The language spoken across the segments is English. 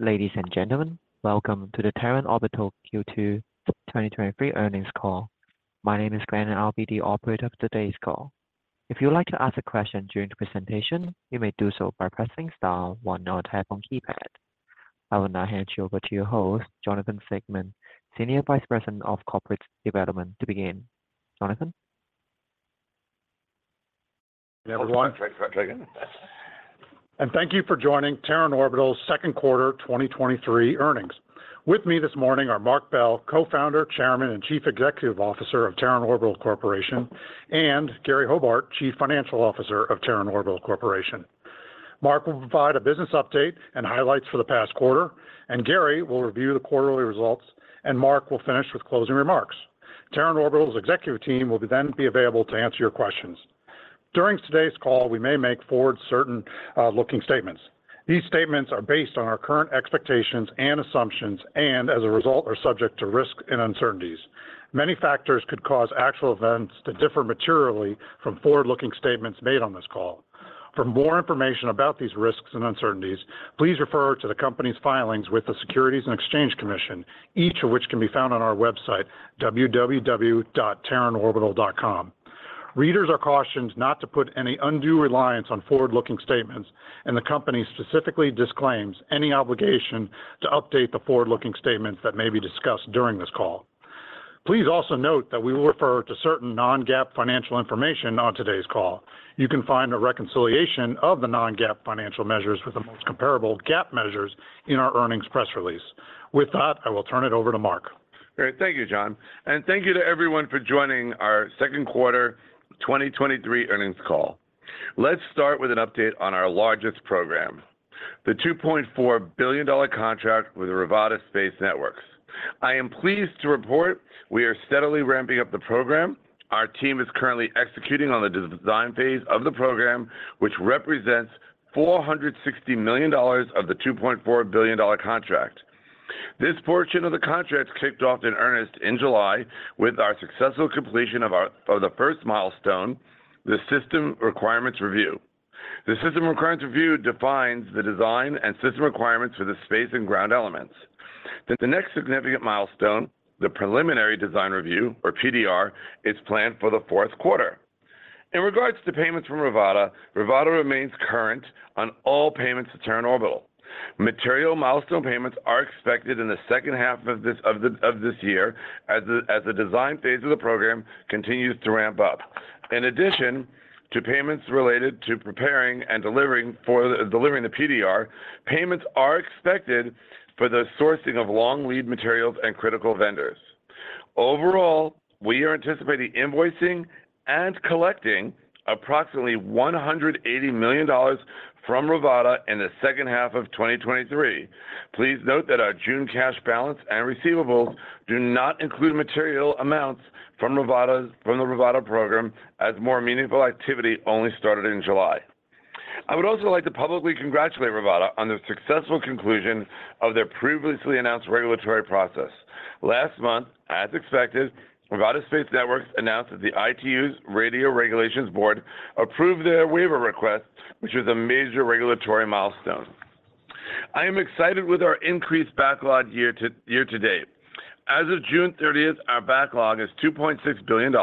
Ladies and gentlemen, welcome to the Terran Orbital Q2 2023 Earnings Call. My name is Glenn, and I'll be the operator of today's call. If you would like to ask a question during the presentation, you may do so by pressing star one on your telephone keypad. I will now hand you over to your host, Jonathan Siegmann, Senior Vice President of Corporate Development, to begin. Jonathan? Everyone. Thank you for joining Terran Orbital's second quarter 2023 earnings. With me this morning are Marc Bell, Co-founder, Chairman, and Chief Executive Officer of Terran Orbital Corporation, and Gary Hobart, Chief Financial Officer of Terran Orbital Corporation. Marc will provide a business update and highlights for the past quarter, and Gary will review the quarterly results, and Marc will finish with closing remarks. Terran Orbital's executive team will then be available to answer your questions. During today's call, we may make forward certain looking statements. These statements are based on our current expectations and assumptions, and as a result, are subject to risk and uncertainties. Many factors could cause actual events to differ materially from forward-looking statements made on this call. For more information about these risks and uncertainties, please refer to the company's filings with the Securities and Exchange Commission, each of which can be found on our website, www.terranorbital.com. Readers are cautioned not to put any undue reliance on forward-looking statements, and the company specifically disclaims any obligation to update the forward-looking statements that may be discussed during this call. Please also note that we will refer to certain non-GAAP financial information on today's call. You can find a reconciliation of the non-GAAP financial measures with the most comparable GAAP measures in our earnings press release. With that, I will turn it over to Marc. Great. Thank you, Jon, and thank you to everyone for joining our second quarter 2023 earnings call. Let's start with an update on our largest program, the $2.4 billion contract with the Rivada Space Networks. I am pleased to report we are steadily ramping up the program. Our team is currently executing on the design phase of the program, which represents $460 million of the $2.4 billion contract. This portion of the contract kicked off in earnest in July with our successful completion of the first milestone, the system requirements review. The system requirements review defines the design and system requirements for the space and ground elements. The next significant milestone, the preliminary design review, or PDR, is planned for the fourth quarter. In regards to payments from Rivada, Rivada remains current on all payments to Terran Orbital. Material milestone payments are expected in the second half of this year as the design phase of the program continues to ramp up. In addition to payments related to preparing and delivering the PDR, payments are expected for the sourcing of long lead materials and critical vendors. Overall, we are anticipating invoicing and collecting approximately $180 million from Rivada in the second half of 2023. Please note that our June cash balance and receivables do not include material amounts from the Rivada program, as more meaningful activity only started in July. I would also like to publicly congratulate Rivada on the successful conclusion of their previously announced regulatory process. Last month, as expected, Rivada Space Networks announced that the ITU's Radio Regulations Board approved their waiver request, which is a major regulatory milestone. I am excited with our increased backlog year to date. As of June 30th, our backlog is $2.6 billion,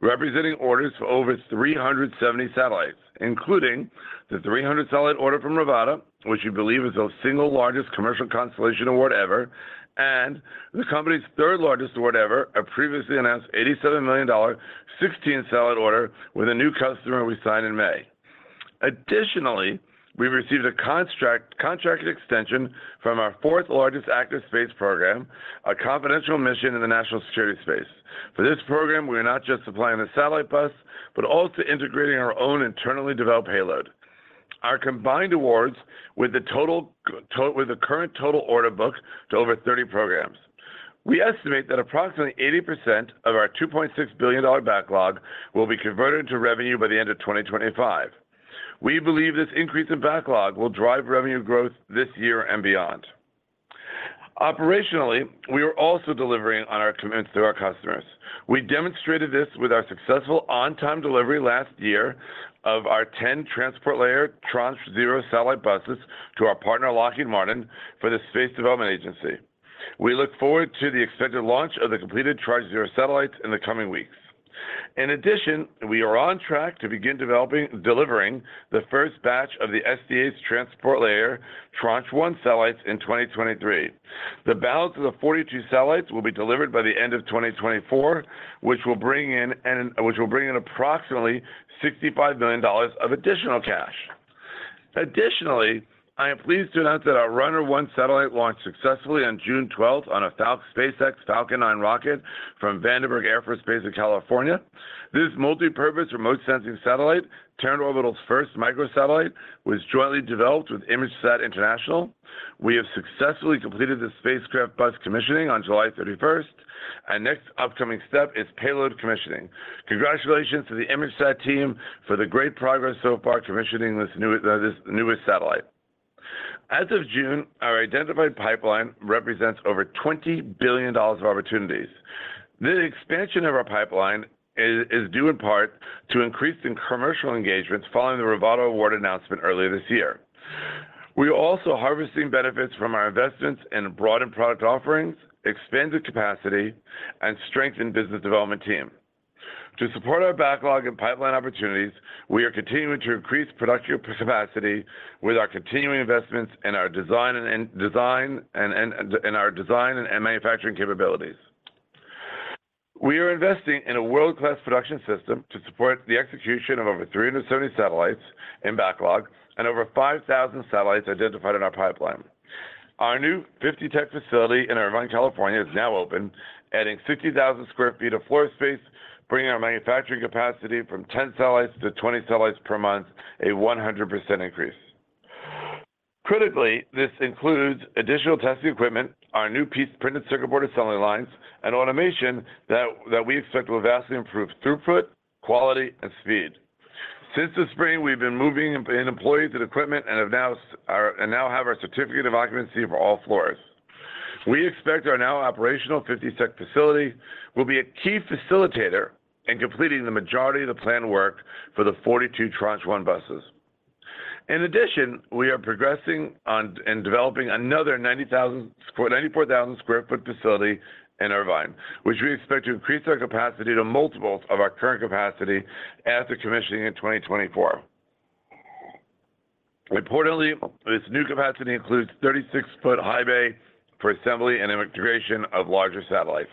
representing orders for over 370 satellites, including the 300 satellite order from Rivada, which we believe is the single largest commercial constellation award ever, and the company's third largest award ever, a previously announced $87 million, 16 satellite order with a new customer we signed in May. Additionally, we received a contract extension from our fourth largest active space program, a confidential mission in the National Security Space. For this program, we are not just supplying the satellite bus, but also integrating our own internally developed payload. Our combined awards with the current total order book to over 30 programs. We estimate that approximately 80% of our $2.6 billion backlog will be converted into revenue by the end of 2025. We believe this increase in backlog will drive revenue growth this year and beyond. Operationally, we are also delivering on our commitments to our customers. We demonstrated this with our successful on-time delivery last year of our 10 Transport Layer Tranche 0 satellite buses to our partner, Lockheed Martin, for the Space Development Agency. We look forward to the expected launch of the completed Tranche 0 satellites in the coming weeks. In addition, we are on track to begin delivering the first batch of the SDA's Transport Layer Tranche 1 satellites in 2023. The balance of the 42 satellites will be delivered by the end of 2024, which will bring in approximately $65 million of additional cash. Additionally, I am pleased to announce that our RUNNER-1 satellite launched successfully on June 12th on a SpaceX Falcon 9 rocket from Vandenberg Air Force Base in California. This multipurpose remote sensing satellite, Terran Orbital's first microsatellite, was jointly developed with ImageSat International. We have successfully completed the spacecraft bus commissioning on July 31st, and next upcoming step is payload commissioning. Congratulations to the ImageSat team for the great progress so far commissioning this new, this newest satellite. As of June, our identified pipeline represents over $20 billion of opportunities. The expansion of our pipeline is, is due in part to increase in commercial engagements following the Rivada award announcement earlier this year. We're also harvesting benefits from our investments in broadened product offerings, expanded capacity, and strengthened business development team. To support our backlog and pipeline opportunities, we are continuing to increase productive capacity with our continuing investments in our design and manufacturing capabilities. We are investing in a world-class production system to support the execution of over 330 satellites in backlog and over 5,000 satellites identified in our pipeline. Our new 50 Tech facility in Irvine, California, is now open, adding 50,000 sq ft of floor space, bringing our manufacturing capacity from 10 satellites to 20 satellites per month, a 100% increase. Critically, this includes additional testing equipment, our new piece printed circuit board assembly lines, and automation that we expect will vastly improve throughput, quality, and speed. Since the spring, we've been moving employees and equipment and now have our certificate of occupancy for all floors. We expect our now operational 50 Tech facility will be a key facilitator in completing the majority of the planned work for the 42 Tranche 1 buses. In addition, we are progressing on, and developing another 94,000 sq ft facility in Irvine, which we expect to increase our capacity to multiples of our current capacity after commissioning in 2024. Importantly, this new capacity includes a 36-foot high bay for assembly and integration of larger satellites.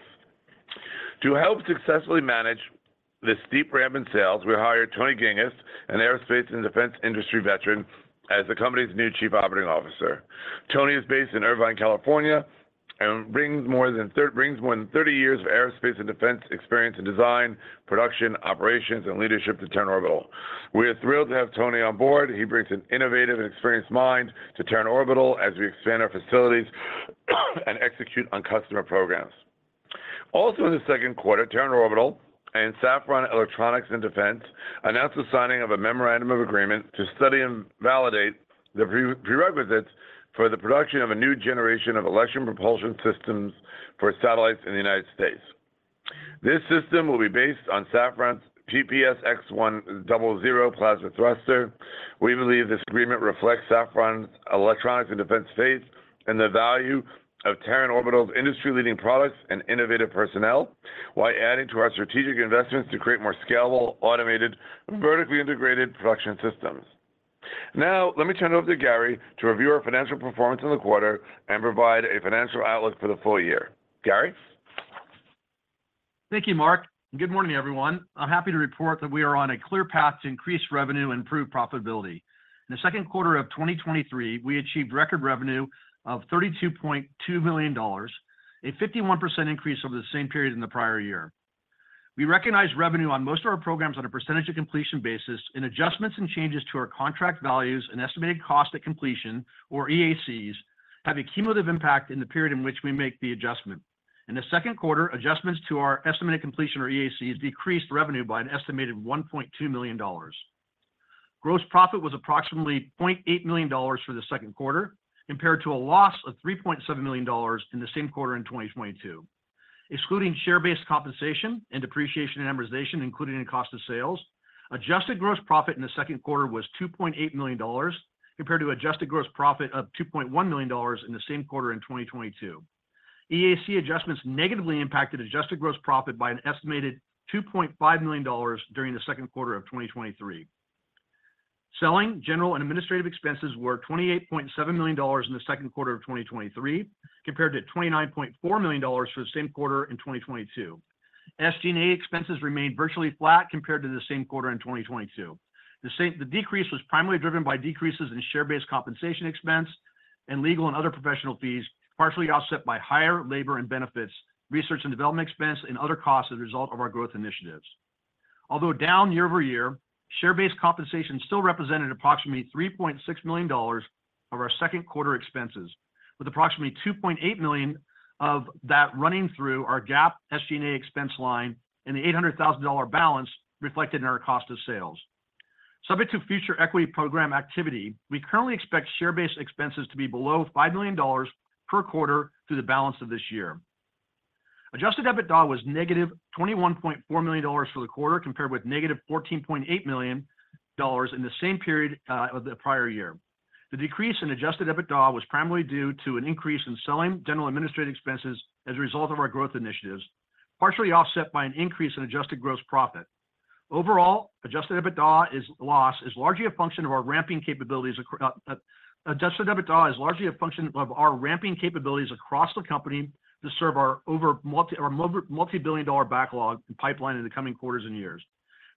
To help successfully manage this steep ramp in sales, we hired Tony Gingiss, an aerospace and defense industry veteran, as the company's new Chief Operating Officer. Tony is based in Irvine, California, and brings more than 30 years of aerospace and defense experience in design, production, operations, and leadership to Terran Orbital. We are thrilled to have Tony on board. He brings an innovative and experienced mind to Terran Orbital as we expand our facilities and execute on customer programs. In the second quarter, Terran Orbital and Safran Electronics & Defense announced the signing of a memorandum of agreement to study and validate the prerequisites for the production of a new generation of electric propulsion systems for satellites in the United States. This system will be based on Safran's PPS-X00 plasma thruster. We believe this agreement reflects Safran Electronics & Defense faith in the value of Terran Orbital's industry-leading products and innovative personnel, while adding to our strategic investments to create more scalable, automated, vertically integrated production systems. Let me turn it over to Gary to review our financial performance in the quarter and provide a financial outlook for the full year. Gary? Thank you, Marc. Good morning, everyone. I'm happy to report that we are on a clear path to increase revenue and improve profitability. In the second quarter of 2023, we achieved record revenue of $32.2 million, a 51% increase over the same period in the prior year. We recognized revenue on most of our programs on a percentage-of-completion basis. Adjustments and changes to our contract values and estimated cost at completion, or EACs, have a cumulative impact in the period in which we make the adjustment. In the second quarter, adjustments to our estimated completion, or EACs, decreased revenue by an estimated $1.2 million. Gross profit was approximately $0.8 million for the second quarter, compared to a loss of $3.7 million in the same quarter in 2022. Excluding share-based compensation and depreciation, and amortization included in cost of sales, adjusted gross profit in the second quarter was $2.8 million, compared to adjusted gross profit of $2.1 million in the same quarter in 2022. EAC adjustments negatively impacted adjusted gross profit by an estimated $2.5 million during the second quarter of 2023. Selling, general, and administrative expenses were $28.7 million in the second quarter of 2023, compared to $29.4 million for the same quarter in 2022. SG&A expenses remained virtually flat compared to the same quarter in 2022. The decrease was primarily driven by decreases in share-based compensation expense and legal and other professional fees, partially offset by higher labor and benefits, research and development expense, and other costs as a result of our growth initiatives. Although down year-over-year, share-based compensation still represented approximately $3.6 million of our second quarter expenses, with approximately $2.8 million of that running through our GAAP SG&A expense line and the $800,000 balance reflected in our cost of sales. Subject to future equity program activity, we currently expect share-based expenses to be below $5 million per quarter through the balance of this year. Adjusted EBITDA was -$21.4 million for the quarter, compared with -$14.8 million in the same period of the prior year. The decrease in Adjusted EBITDA was primarily due to an increase in selling general administrative expenses as a result of our growth initiatives, partially offset by an increase in adjusted gross profit. Overall, Adjusted EBITDA is largely a function of our ramping capabilities across the company to serve our multi-billion dollar backlog and pipeline in the coming quarters and years.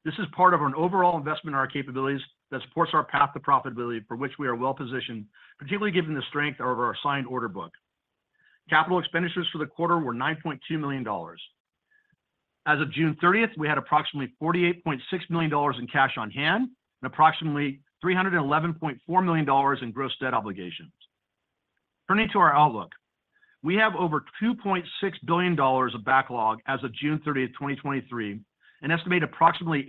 This is part of an overall investment in our capabilities that supports our path to profitability, for which we are well positioned, particularly given the strength of our assigned order book. Capital expenditures for the quarter were $9.2 million. As of June 30th, we had approximately $48.6 million in cash on hand and approximately $311.4 million in gross debt obligations. Turning to our outlook, we have over $2.6 billion of backlog as of June 30th, 2023, and estimate approximately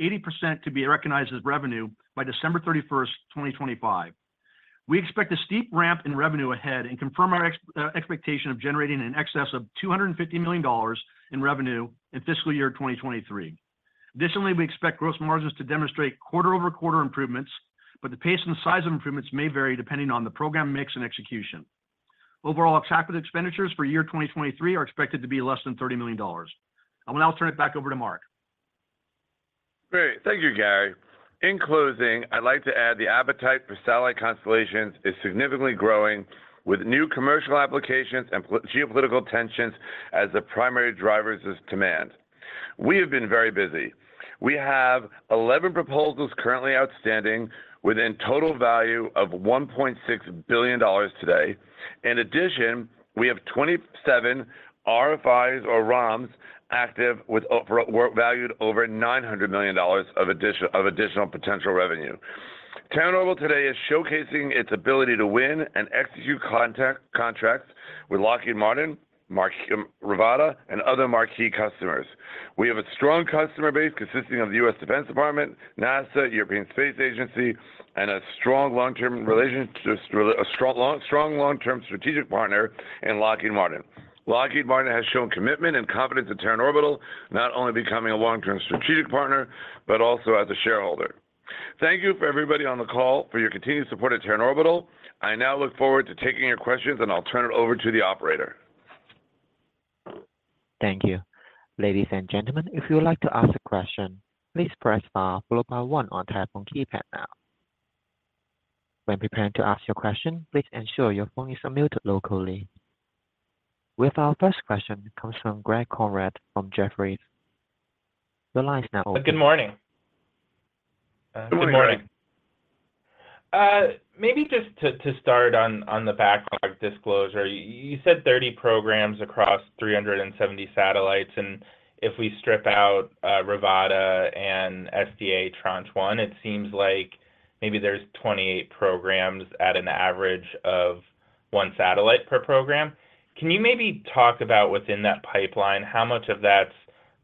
80% to be recognized as revenue by December 31st, 2025. We expect a steep ramp in revenue ahead and confirm our expectation of generating in excess of $250 million in revenue in fiscal year 2023. Additionally, we expect gross margins to demonstrate quarter-over-quarter improvements, but the pace and size of improvements may vary depending on the program mix and execution. Overall, OpEx for 2023 are expected to be less than $30 million. I will now turn it back over to Marc. Great. Thank you, Gary. In closing, I'd like to add the appetite for satellite constellations is significantly growing, with new commercial applications and geopolitical tensions as the primary drivers of demand. We have been very busy. We have 11 proposals currently outstanding, with a total value of $1.6 billion today. In addition, we have 27 RFIs or ROMs active, worth valued over $900 million of additional potential revenue. Terran Orbital today is showcasing its ability to win and execute contracts with Lockheed Martin, Rivada, and other marquee customers. We have a strong customer base consisting of the U.S. Department of Defense, NASA, European Space Agency, and a strong long-term strategic partner in Lockheed Martin. Lockheed Martin has shown commitment and confidence in Terran Orbital, not only becoming a long-term strategic partner, but also as a shareholder. Thank you for everybody on the call for your continued support at Terran Orbital. I now look forward to taking your questions, and I'll turn it over to the operator. Thank you. Ladies and gentlemen, if you would like to ask a question, please press star followed by one on telephone keypad now. When preparing to ask your question, please ensure your phone is unmuted locally. With our first question comes from Greg Konrad from Jefferies. The line is now open. Good morning. Good morning. Maybe just to, to start on, on the backlog disclosure. You, you said 30 programs across 370 satellites, and if we strip out Rivada and SDA Tranche 1, it seems like maybe there's 20 programs at an average of 1 satellite per program. Can you maybe talk about within that pipeline, how much of that's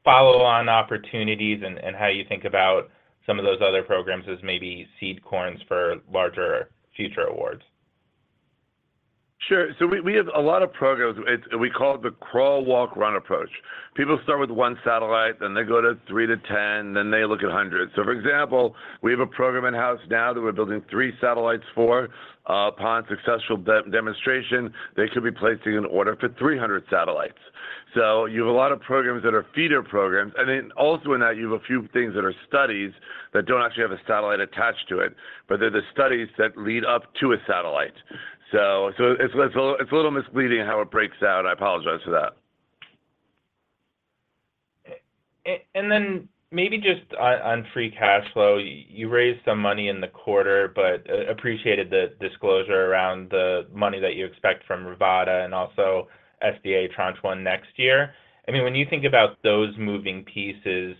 follow-on opportunities and, and how you think about some of those other programs as maybe seed corns for larger future awards? Sure. We, we have a lot of programs. It's, we call it the crawl, walk, run approach. People start with one satellite, then they go to three to 10, then they look at hundreds. For example, we have a program in-house now that we're building three satellites for. Upon successful demonstration, they could be placing an order for 300 satellites. You have a lot of programs that are feeder programs, and then also in that, you have a few things that are studies that don't actually have a satellite attached to it, but they're the studies that lead up to a satellite. It's a little misleading how it breaks out. I apologize for that. Maybe just on, on free cash flow, you raised some money in the quarter, but appreciated the disclosure around the money that you expect from Rivada and also SDA Tranche 1 next year. I mean, when you think about those moving pieces,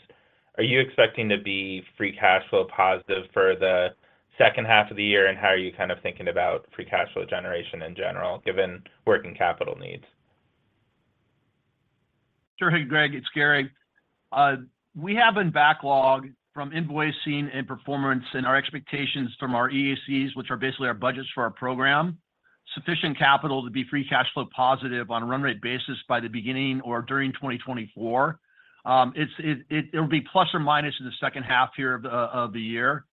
are you expecting to be free cash flow positive for the second half of the year, and how are you kind of thinking about free cash flow generation in general, given working capital needs? Sure thing, Greg, it's Gary. We have in backlog from invoicing and performance and our expectations from our EACs, which are basically our budgets for our program, sufficient capital to be free cash flow positive on a run rate basis by the beginning or during 2024. It'll be plus or minus in the second half here of the year.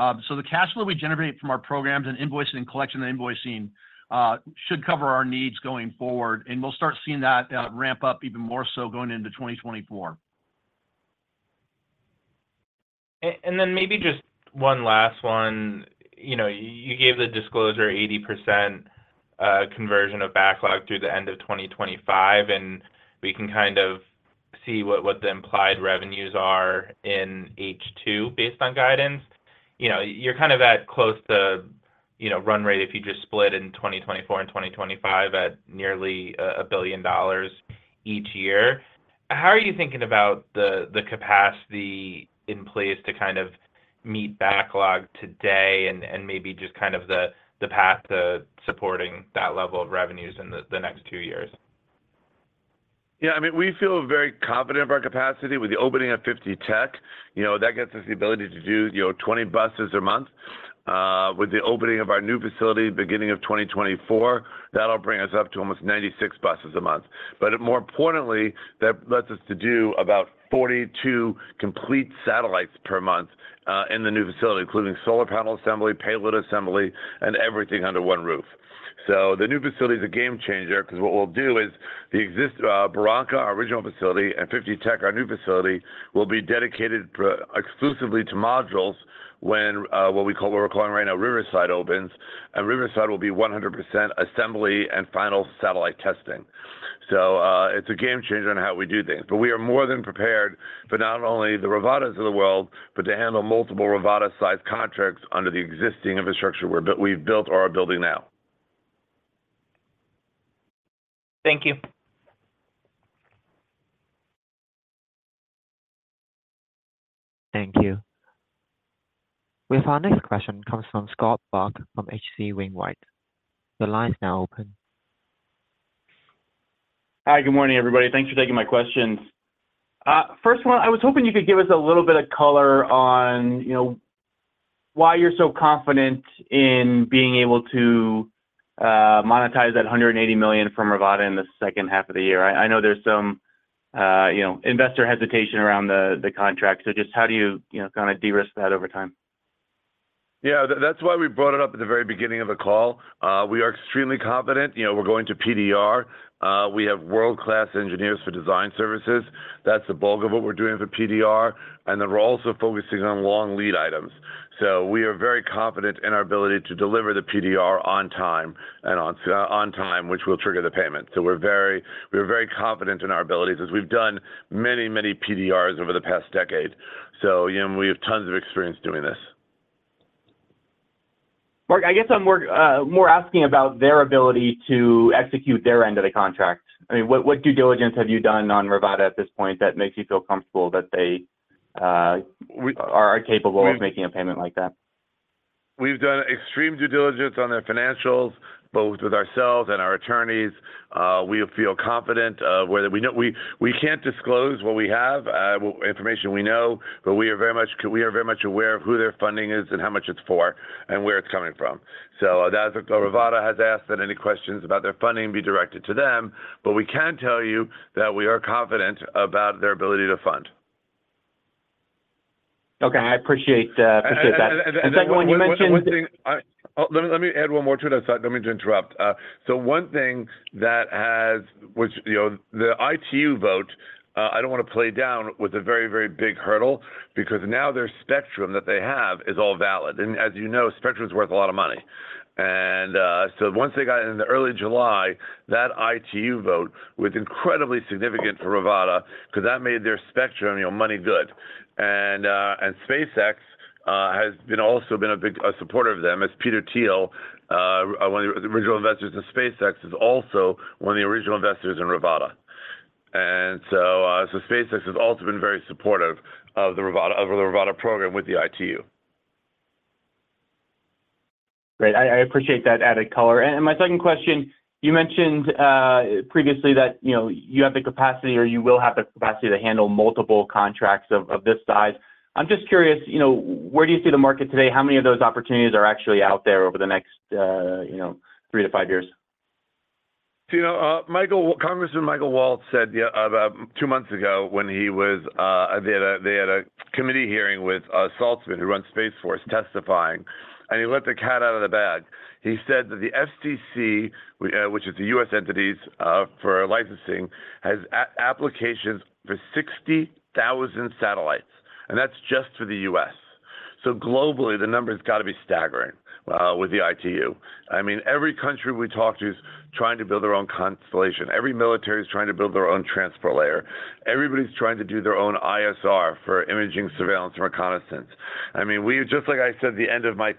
The cash flow we generate from our programs and invoicing and collection and invoicing should cover our needs going forward, and we'll start seeing that ramp up even more so going into 2024. Then maybe just one last one. You know, you gave the disclosure, 80% conversion of backlog through the end of 2025. We can kind of see what the implied revenues are in H2 based on guidance. You know, you're kind of at close to, you know, run rate if you just split in 2024 and 2025 at nearly a $1 billion each year. How are you thinking about the capacity in place to kind of meet backlog today and maybe just kind of the path to supporting that level of revenues in the, the next two years? Yeah, I mean, we feel very confident of our capacity with the opening of 50 Tech. You know, that gets us the ability to do, you know, 20 buses a month. With the opening of our new facility, beginning of 2024, that'll bring us up to almost 96 buses a month. More importantly, that lets us to do about 42 complete satellites per month in the new facility, including solar panel assembly, payload assembly, and everything under one roof. The new facility is a game changer because what we'll do is the exist, Barranca, our original facility, and 50 Tech, our new facility, will be dedicated for exclusively to modules, what we call, what we're calling right now, Rivada site, opens. Rivada site will be 100% assembly and final satellite testing. It's a game changer on how we do things. We are more than prepared for not only the Rivadas of the world, but to handle multiple Rivada-sized contracts under the existing infrastructure we've built or are building now. Thank you. Thank you. With our next question comes from Scott Buck from H.C. Wainwright. The line is now open. Hi, good morning, everybody. Thanks for taking my questions. First one, I was hoping you could give us a little bit of color on, you know, why you're so confident in being able to monetize that $180 million from Rivada in the second half of the year. I know there's some, you know, investor hesitation around the, the contract, so just how do you, you know, kind of de-risk that over time? Yeah, that's why we brought it up at the very beginning of the call. We are extremely confident. You know, we're going to PDR. We have world-class engineers for design services. That's the bulk of what we're doing for PDR, and then we're also focusing on long lead items. We are very confident in our ability to deliver the PDR on time, which will trigger the payment. We're very confident in our abilities as we've done many, many PDRs over the past decade. You know, we have tons of experience doing this. Mark, I guess I'm more, more asking about their ability to execute their end of the contract. I mean, what due diligence have you done on Rivada at this point that makes you feel comfortable that they are capable of making a payment like that? We've done extreme due diligence on their financials, both with ourselves and our attorneys. We feel confident, whether we know, we can't disclose what we have, information we know, but we are very much aware of who their funding is and how much it's for and where it's coming from. That's, Rivada has asked that any questions about their funding be directed to them, but we can tell you that we are confident about their ability to fund. Okay, I appreciate that. The second one you mentioned. Let me add one more to that thought. Don't mean to interrupt. One thing that has, which, you know, the ITU vote, I don't want to play down, was a very, very big hurdle because now their spectrum that they have is all valid. As you know, spectrum is worth a lot of money. Once they got in, in the early July, that ITU vote was incredibly significant for Rivada because that made their spectrum, you know, money good. SpaceX has been also been a big- a supporter of them as Peter Thiel, one of the, the original investors of SpaceX, is also one of the original investors in Rivada. SpaceX has also been very supportive of the Rivada program with the ITU. Great. I appreciate that added color. My second question, you mentioned previously that, you know, you have the capacity or you will have the capacity to handle multiple contracts of this size. I'm just curious, you know, where do you see the market today? How many of those opportunities are actually out there over the next, you know, three to five years? You know, Congressman Michael Waltz said, yeah, about two months ago, when he was, they had a, they had a committee hearing with Saltzman, who runs Space Force, testifying, and he let the cat out of the bag. He said that the FCC, which is the U.S. entities for licensing, has applications for 60,000 satellites, and that's just for the U.S. Globally, the number has got to be staggering with the ITU. I mean, every country we talk to is trying to build their own constellation. Every military is trying to build their own Transport Layer. Everybody's trying to do their own ISR for imaging, surveillance, and reconnaissance. I mean, just like I said, at the end of my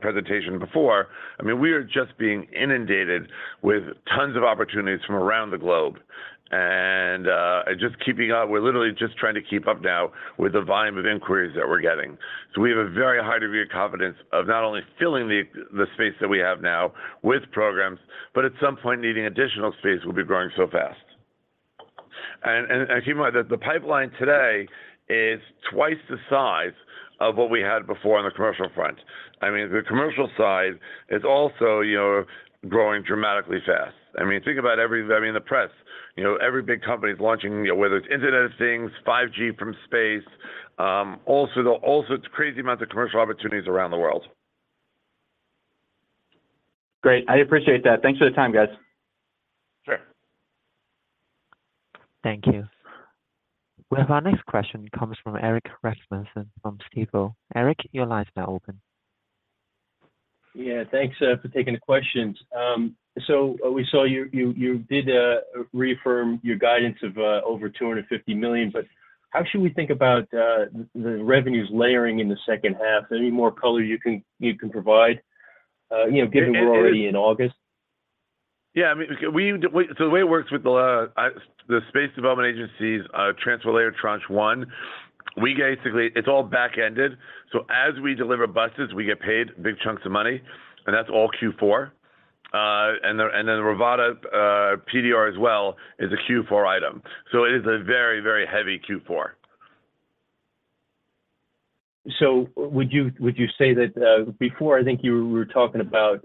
presentation before, I mean, we are just being inundated with tons of opportunities from around the globe. We're literally just trying to keep up now with the volume of inquiries that we're getting. We have a very high degree of confidence of not only filling the space that we have now with programs, but at some point, needing additional space will be growing so fast. Keep in mind that the pipeline today is twice the size of what we had before on the commercial front. I mean, the commercial side is also, you know, growing dramatically fast. I mean, think about every, I mean, the press, you know, every big company is launching, you know, whether it's Internet of Things, 5G from space, also it's crazy amounts of commercial opportunities around the world. Great. I appreciate that. Thanks for the time, guys. Sure. Thank you. Well, our next question comes from Erik Rasmussen from Stifel. Erik, your line is now open. Yeah, thanks for taking the questions. We saw you, you, you did reaffirm your guidance of over $250 million. How should we think about the revenues layering in the second half? Any more color you can, you can provide, you know, given we're already in August? Yeah, I mean, the way it works with the Space Development Agency's Transport Layer Tranche 1, we basically, it's all back-ended. As we deliver buses, we get paid big chunks of money, and that's all Q4. Then Rivada PDR as well is a Q4 item. It is a very, very heavy Q4. Would you, would you say that, before, I think you were talking about,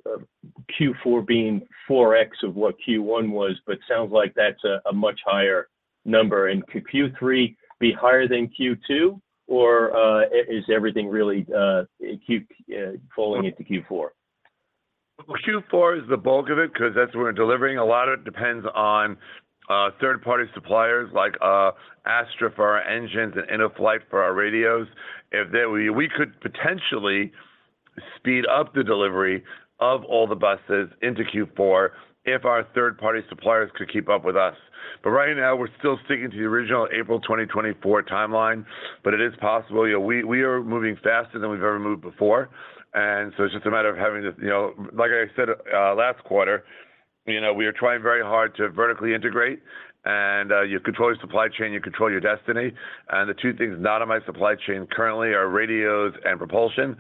Q4 being 4x of what Q1 was, but sounds like that's a much higher number. Could Q3 be higher than Q2, or, is everything really falling into Q4? Q4 is the bulk of it because that's where we're delivering. A lot of it depends on third-party suppliers like Astra for our engines and Innoflight for our radios. If we could potentially speed up the delivery of all the buses into Q4 if our third-party suppliers could keep up with us. Right now, we're still sticking to the original April 2024 timeline, but it is possible. You know, we are moving faster than we've ever moved before, so it's just a matter of having to, you know. Like I said, last quarter, you know, we are trying very hard to vertically integrate, and you control your supply chain, you control your destiny. The two things not in my supply chain currently are radios and propulsion.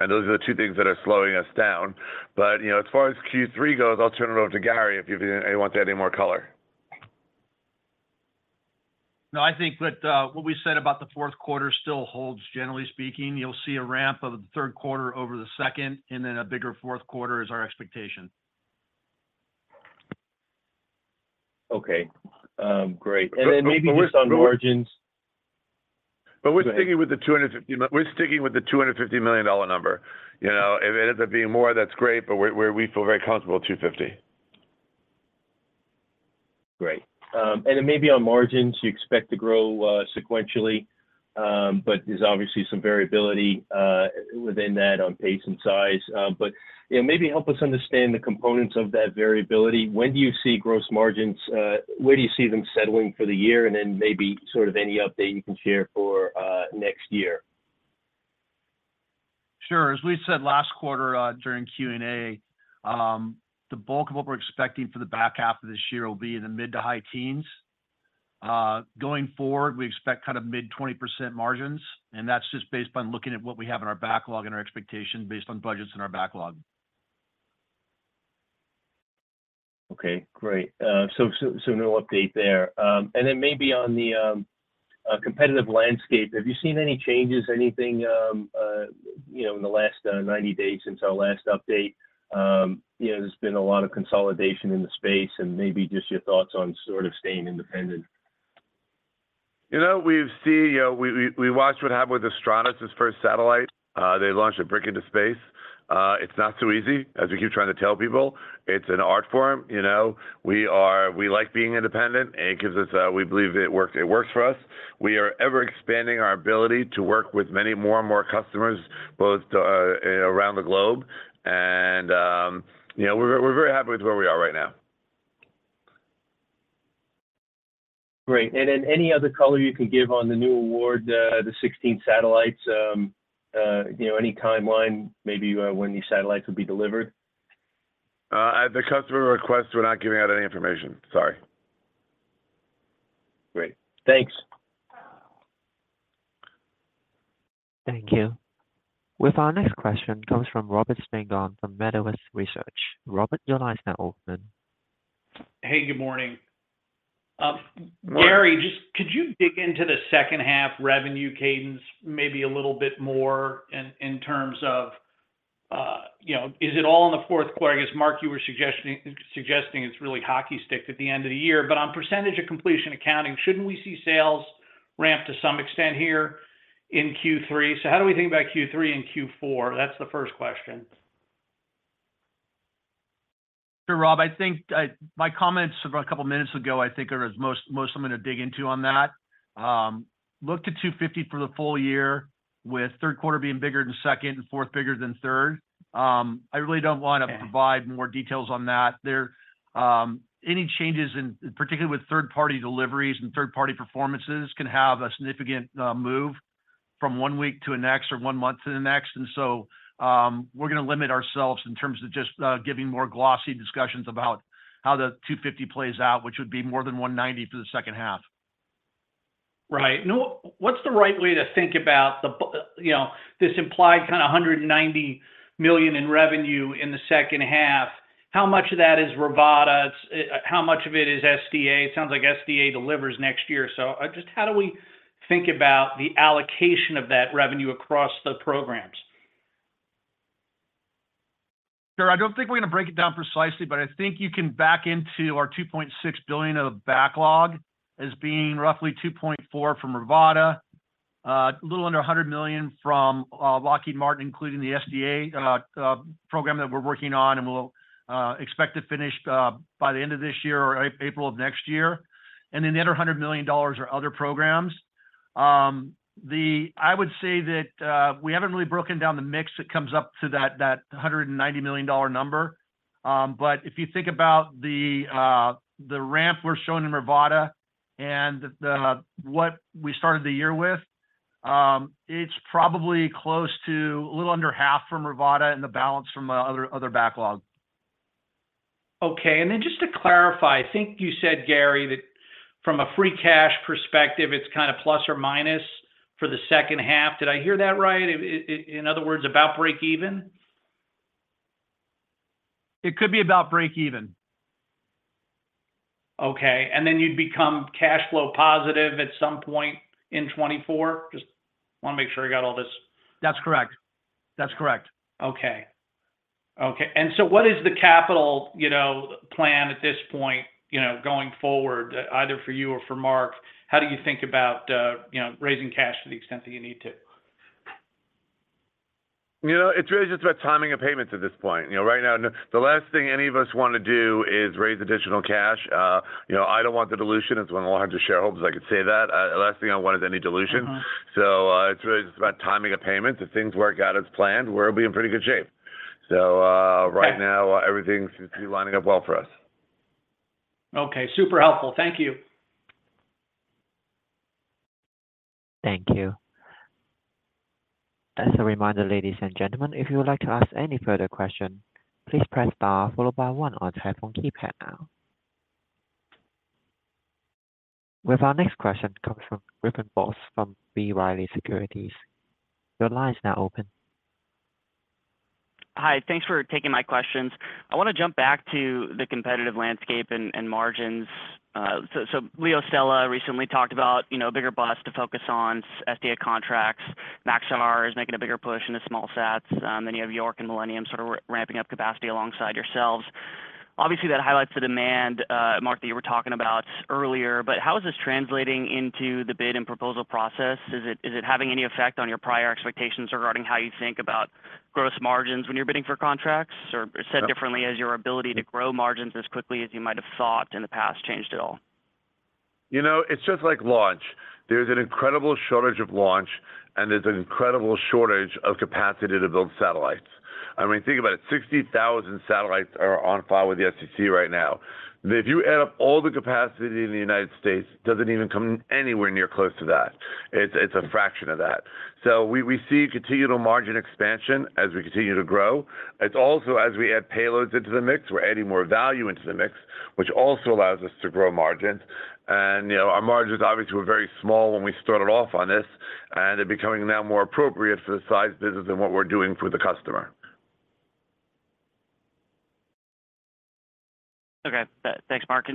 Those are the two things that are slowing us down. You know, as far as Q3 goes, I'll turn it over to Gary, if you, if you want to add any more color. No, I think that what we said about the fourth quarter still holds. Generally speaking, you'll see a ramp of the third quarter over the second, and then a bigger fourth quarter is our expectation. Okay. Great. Maybe just on margins. We're sticking with the $250 million number. You know, if it ends up being more, that's great, but we feel very comfortable with $250. Great. Then maybe on margins, you expect to grow sequentially, but there's obviously some variability within that on pace and size. You know, maybe help us understand the components of that variability. When do you see gross margins, where do you see them settling for the year? Then maybe sort of any update you can share for next year. Sure. As we said last quarter, during Q&A, the bulk of what we're expecting for the back half of this year will be in the mid to high teens. Going forward, we expect kind of mid-20% margins. That's just based on looking at what we have in our backlog and our expectations based on budgets and our backlog. Okay, great. So no update there. Then maybe on the competitive landscape, have you seen any changes, anything, you know, in the last 90 days since our last update? You know, there's been a lot of consolidation in the space, and maybe just your thoughts on sort of staying independent. You know, we've see. We watched what happened with Astranis's first satellite. They launched a brick into space. It's not so easy, as we keep trying to tell people. It's an art form, you know. We like being independent, it gives us. We believe it works, it works for us. We are ever expanding our ability to work with many more and more customers, both around the globe, and, you know, we're very happy with where we are right now. Great. Any other color you can give on the new award, the 16 satellites? you know, any timeline maybe, when these satellites will be delivered? At the customer's request, we're not giving out any information. Sorry. Great. Thanks. Thank you. With our next question comes from Robert Spingarn from Melius Research. Robert, your line is now open. Hey, good morning. Gary, just could you dig into the second half revenue cadence maybe a little bit more in, in terms of, you know, is it all in the fourth quarter? I guess, Marc, you were suggesting it's really hockey stick at the end of the year. On percentage-of-completion accounting, shouldn't we see sales ramp to some extent here in Q3? How do we think about Q3 and Q4? That's the first question. Sure, Rob, I think, my comments about a couple of minutes ago, I think are as most, most I'm gonna dig into on that. Look to $250 for the full year, with third quarter being bigger than second, and fourth bigger than third. I really don't want to provide more details on that. There, any changes in, particularly with third-party deliveries and third-party performances, can have a significant move from one week to the next or one month to the next. So, we're gonna limit ourselves in terms of just giving more glossy discussions about how the $250 plays out, which would be more than $190 for the second half. Right. No, what's the right way to think about the you know, this implied kind of $190 million in revenue in the second half, how much of that is Rivada? How much of it is SDA? It sounds like SDA delivers next year. Just how do we think about the allocation of that revenue across the programs? Sure. I don't think we're gonna break it down precisely, but I think you can back into our $2.6 billion of backlog as being roughly $2.4 billion from Rivada, a little under $100 million from Lockheed Martin, including the SDA program that we're working on, and we'll expect to finish by the end of this year or April of next year. The other $100 million are other programs. I would say that we haven't really broken down the mix that comes up to that $190 million number. If you think about the ramp we're showing in Rivada and the what we started the year with, it's probably close to a little under half from Rivada and the balance from the other backlog. Okay, just to clarify, I think you said, Gary, that from a free cash perspective, it's kind of plus or minus for the second half. Did I hear that right? In other words, about break even? It could be about break even. Okay, then you'd become cash flow positive at some point in 2024? Just want to make sure I got all this. That's correct. That's correct. Okay. Okay. What is the capital, you know, plan at this point, you know, going forward, either for you or for Mark? How do you think about, you know, raising cash to the extent that you need to? You know, it's really just about timing of payments at this point. You know, right now, the last thing any of us want to do is raise additional cash. You know, I don't want the dilution. It's when I want to shareholders, I can say that. The last thing I want is any dilution. It's really just about timing of payments. If things work out as planned, we'll be in pretty good shape. Right now, everything seems to be lining up well for us. Okay, super helpful. Thank you. Thank you. As a reminder, ladies and gentlemen, if you would like to ask any further question, please press Star, followed by one on your telephone keypad now. We have our next question comes from Griffin Boss from B. Riley Securities. Your line is now open. Hi. Thanks for taking my questions. I want to jump back to the competitive landscape and, and margins. LeoStella recently talked about, you know, a bigger bus to focus on SDA contracts. Maxar is making a bigger push into small sats. You have York and Millennium sort of ramping up capacity alongside yourselves. Obviously, that highlights the demand, Marc, that you were talking about earlier, how is this translating into the bid and proposal process? Is it having any effect on your prior expectations regarding how you think about gross margins when you're bidding for contracts? Said differently, has your ability to grow margins as quickly as you might have thought in the past changed at all? You know, it's just like launch. There's an incredible shortage of launch, and there's an incredible shortage of capacity to build satellites. I mean, think about it, 60,000 satellites are on file with the FCC right now. If you add up all the capacity in the United States, doesn't even come anywhere near close to that. It's, it's a fraction of that. We, we see continual margin expansion as we continue to grow. It's also as we add payloads into the mix, we're adding more value into the mix, which also allows us to grow margins. You know, our margins obviously were very small when we started off on this, and they're becoming now more appropriate for the size business than what we're doing for the customer. Okay. Thanks, Marc.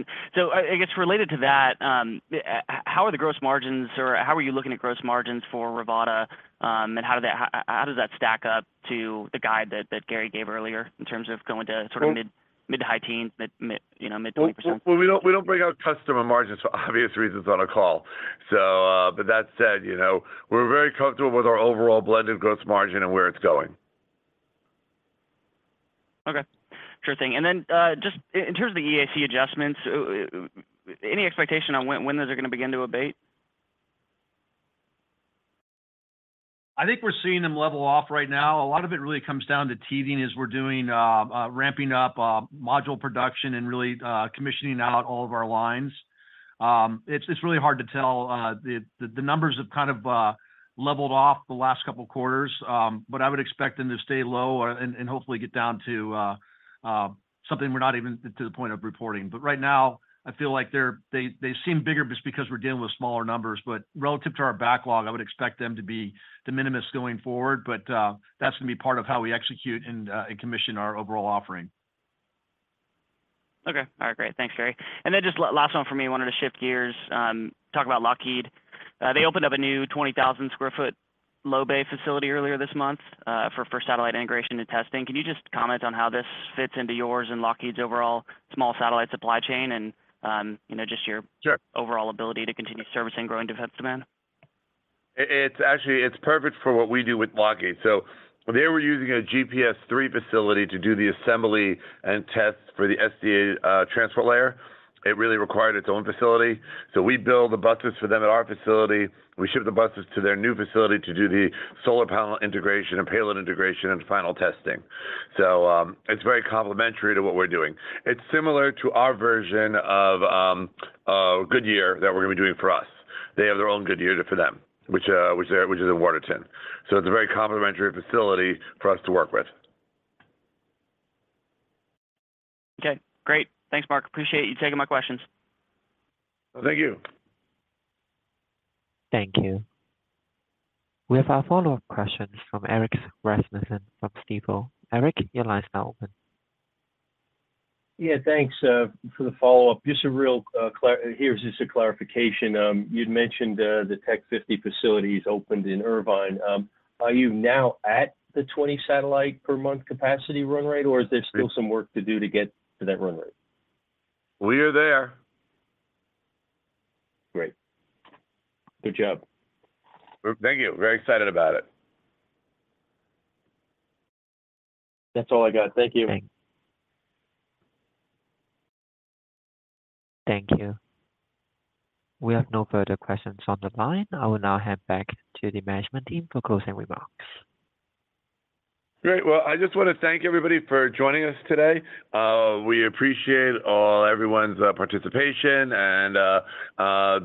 I guess related to that, how are the gross margins or how are you looking at gross margins for Rivada? How does that stack up to the guide that Gary gave earlier in terms of going to sort of mid-to-high teens, you know, mid 20%? Well, we don't, we don't break out customer margins for obvious reasons on a call. But that said, you know, we're very comfortable with our overall blended gross margin and where it's going. Okay. Interesting. Just in terms of the EAC adjustments, any expectation on when those are going to begin to abate? I think we're seeing them level off right now. A lot of it really comes down to teething as we're doing ramping up module production and really commissioning out all of our lines. It's really hard to tell. The numbers have kind of leveled off the last couple of quarters, but I would expect them to stay low and hopefully get down to something we're not even to the point of reporting. Right now, I feel like they, they seem bigger just because we're dealing with smaller numbers. Relative to our backlog, I would expect them to be de minimis going forward. That's going to be part of how we execute and commission our overall offering. Okay. All right, great. Thanks, Gary. Then just last one for me, I wanted to shift gears, talk about Lockheed. They opened up a new 20,000 square foot low bay facility earlier this month, for, for satellite integration and testing. Can you just comment on how this fits into yours and Lockheed's overall small satellite supply chain and, you know, just youroverall ability to continue servicing growing defense demand? It's actually, it's perfect for what we do with Lockheed. They were using a GPS III facility to do the assembly and tests for the SDA Transport Layer. It really required its own facility. We build the buses for them at our facility. We ship the buses to their new facility to do the solar panel integration and payload integration and final testing. It's very complementary to what we're doing. It's similar to our version of Goodyear that we're going to be doing for us. They have their own Goodyear for them, which is, which is in Watertown. It's a very complementary facility for us to work with. Okay, great. Thanks, Marc. Appreciate you taking my questions. Thank you. Thank you. We have our follow-up question from Erik Rasmussen from Stifel. Erik, your line is now open. Yeah, thanks for the follow-up. Here's just a clarification. You'd mentioned the 50 Tech facilities opened in Irvine. Are you now at the 20 satellite per month capacity run rate, or is there still some work to do to get to that run rate? We are there. Great. Good job. Thank you. Very excited about it. That's all I got. Thank you. Thank you. We have no further questions on the line. I will now hand back to the management team for closing remarks. Great. Well, I just want to thank everybody for joining us today. We appreciate all, everyone's participation and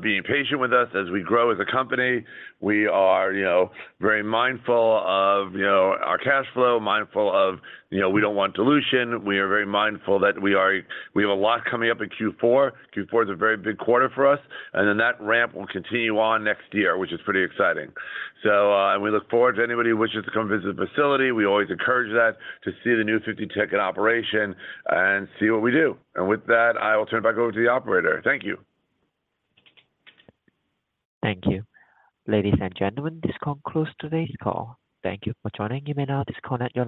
being patient with us as we grow as a company. We are, you know, very mindful of, you know, our cash flow, mindful of, you know, we don't want dilution. We are very mindful that we have a lot coming up in Q4. Q4 is a very big quarter for us, and then that ramp will continue on next year, which is pretty exciting. We look forward to anybody who wishes to come visit the facility. We always encourage that to see the new 50 Tech in operation and see what we do. With that, I will turn it back over to the operator. Thank you. Thank you. Ladies and gentlemen, this concludes today's call. Thank you for joining. You may now disconnect your lines.